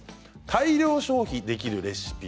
大量消費できるレシピ。